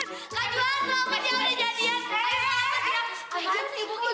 kak juwanto apa sih ada jadian